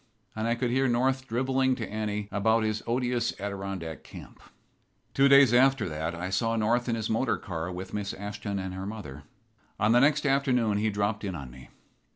And I could hear North drivelling to Annie about his odious Adirondack camp. Two days after that I saw North in his motor car with Miss Ashton and her mother. On the next afternoon he dropped in on me.